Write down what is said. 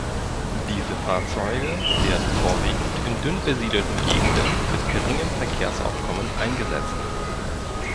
Diese Fahrzeuge werden vorwiegend in dünn besiedelten Gegenden mit geringem Verkehrsaufkommen eingesetzt.